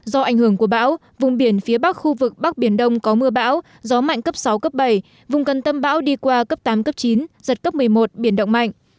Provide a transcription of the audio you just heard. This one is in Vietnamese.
do ảnh hưởng của bão vùng biển phía bắc khu vực bắc biển đông có mưa bão gió mạnh cấp sáu cấp bảy vùng gần tâm bão đi qua cấp tám cấp chín giật cấp một mươi một biển động mạnh